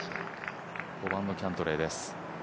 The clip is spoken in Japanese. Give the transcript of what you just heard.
５番のキャントレーです。